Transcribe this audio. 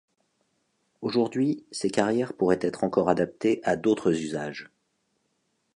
Aujourd'hui, ces carrières pourraient être encore adaptées à d'autres usages.